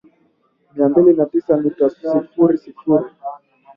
mia mbili na tisa nukta sifuri sifuri